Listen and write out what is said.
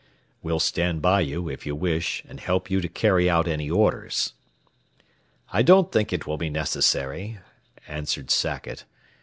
"We'll stand by you, if you wish, and help you to carry out any orders." "I don't think it will be necessary," answered Sackett.